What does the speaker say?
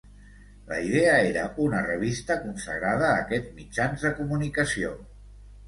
La idea era una revista consagrada a aquests mitjans de comunicació.